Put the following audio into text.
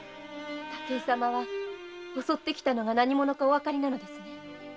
武井様は襲ってきたのが何者かおわかりなのですね。